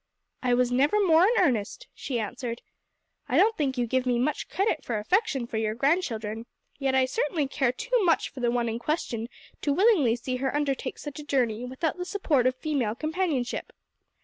"I was never more in earnest," she answered. "I don't think you give me much credit for affection for your grandchildren, yet I certainly care too much for the one in question to willingly see her undertake such a journey without the support of female companionship.